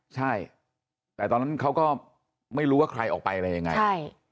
ใช่แต่ตอนนั้นเขาก็ไม่รู้ว่าใครออกไปอะไรยังไงใช่